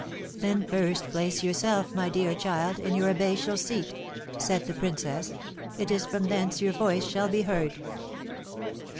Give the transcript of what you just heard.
"Then first place yourself, my dear child, in your abbatial seat," said the princess; "it is from thence your voice shall be heard."